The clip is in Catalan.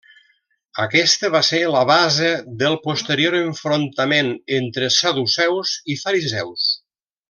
Aquesta va ser la base del posterior enfrontament entre Saduceus i Fariseus.